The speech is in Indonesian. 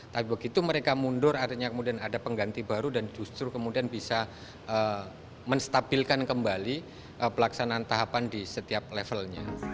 tapi begitu mereka mundur artinya kemudian ada pengganti baru dan justru kemudian bisa menstabilkan kembali pelaksanaan tahapan di setiap levelnya